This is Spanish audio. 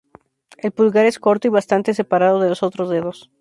El pulgar es corto y bastante separado de los otros dedos.